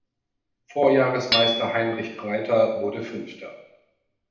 Vorjahresmeister Heinrich Breiter wurde Fünfter.